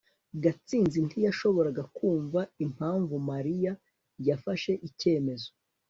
gatsinzi ntiyashoboraga kumva impamvu mariya yafashe icyemezo